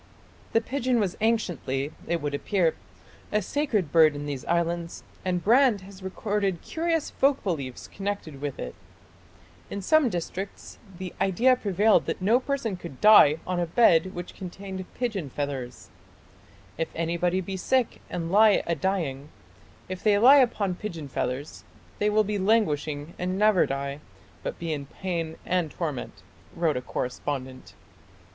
The pigeon was anciently, it would appear, a sacred bird in these islands, and Brand has recorded curious folk beliefs connected with it. In some districts the idea prevailed that no person could die on a bed which contained pigeon feathers: "If anybody be sick and lye a dying, if they lye upon pigeon feathers they will be languishing and never die, but be in pain and torment," wrote a correspondent.